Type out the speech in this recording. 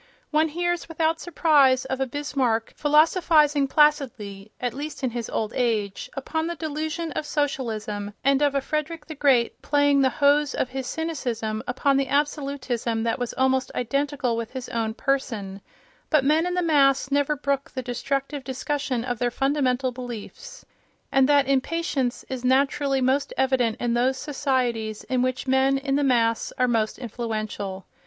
One hears without surprise of a Bismarck philosophizing placidly (at least in his old age) upon the delusion of Socialism and of a Frederick the Great playing the hose of his cynicism upon the absolutism that was almost identical with his own person, but men in the mass never brook the destructive discussion of their fundamental beliefs, and that impatience is naturally most evident in those societies in which men in the mass are most influential.